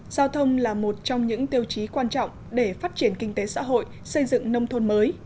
giao thông là một trong những tiêu chí quan trọng để phát triển kinh tế xã hội xây dựng nông thôn mới